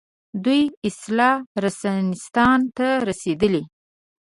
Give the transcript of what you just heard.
دوی اصلاً رنسانستان ته رسېدلي دي.